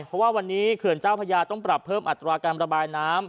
เพราะว่าวันนี้เขื่อนเจ้าพญาต้องปรับเพิ่มอัตราการระบายน้ำ